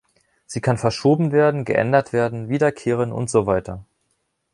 Sie kann verschoben werden, geändert werden, wiederkehren, und so weiter.